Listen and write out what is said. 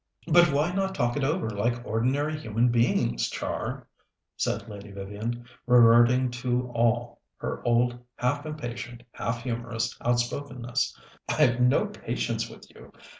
"But why not talk it over like ordinary human beings, Char?" said Lady Vivian, reverting to all her old half impatient, half humorous outspokenness. "I've no patience with you.